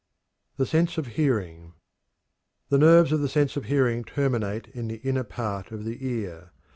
THE SENSE OF HEARING. The nerves of the sense of hearing terminate in the inner part of the ear.